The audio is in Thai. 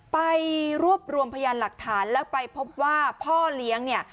ไปรวบรวมพยานหลักฐานแล้วไปพบว่าพ่อเลี้ยงเนี่ย